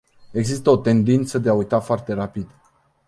Există o tendință de a uita foarte rapid.